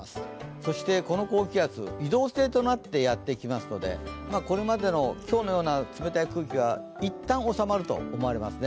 そしてこの高気圧、移動性となってやってきますのでこれまでの今日のような冷たい空気は一旦収まると思われますね。